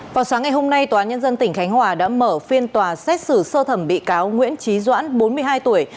vào sáng ngày hôm nay tòa án nhân dân tỉnh khánh hòa đã mở phiên tòa xét xử sơ thẩm bị cáo nguyễn trí doãn bốn mươi hai tuổi